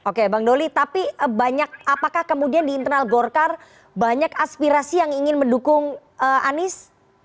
oke bang doli tapi banyak apakah kemudian di internal golkar banyak aspirasi yang ingin mendukung anies